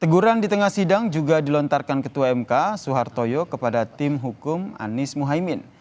teguran di tengah sidang juga dilontarkan ketua mk soehartoyo kepada tim hukum anies mohaimin